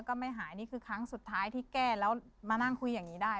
ก็ไม่หายนี่คือครั้งสุดท้ายที่แก้แล้วมานั่งคุยอย่างนี้ได้